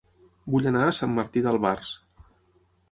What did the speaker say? Vull anar a Sant Martí d'Albars